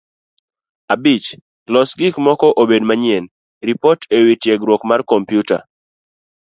Abich; Loso gik moko obed manyien. Ripot e wi tiegruok mar kompyuta